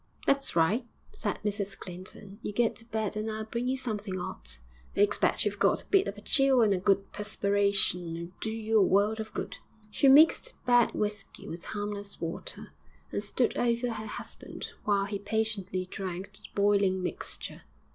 'That's right,' said Mrs Clinton; 'you get to bed and I'll bring you something 'ot. I expect you've got a bit of a chill and a good perspiration'll do you a world of good.' She mixed bad whisky with harmless water, and stood over her husband while he patiently drank the boiling mixture.